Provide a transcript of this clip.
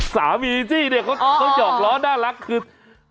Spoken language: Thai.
สามีาอยู่ด้วยอุ่น